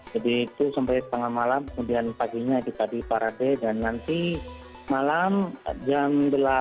jadi itu sampai setengah malam kemudian paginya di tadi parade dan nanti malam jam delapan